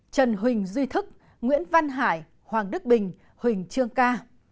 trần huỳnh duy thức nguyễn văn hải hoàng đức bình huỳnh trương ca